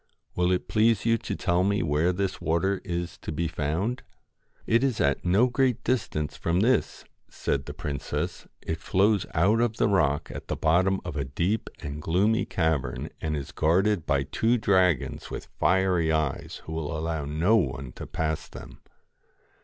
Will it please you to tell me where this water is to be found ?' 'It is at no great distance from this,' said the princess. ' It flows out of the rock at the bottom of a deep and gloomy cavern, and is guarded by two dragons with fiery eyes who will allow no one to pass them.'